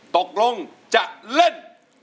ตกลงจะเล่น